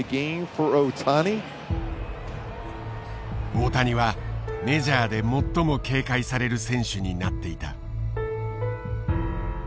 大谷はメジャーで最も警戒される選手になっていた。